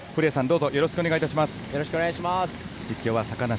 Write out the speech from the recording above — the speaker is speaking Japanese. よろしくお願いします。